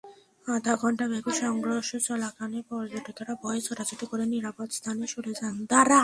আধা ঘণ্টাব্যাপী সংঘর্ষ চলাকালে পর্যটকেরা ভয়ে ছোটাছুটি করে নিরাপদ স্থানে সরে যান।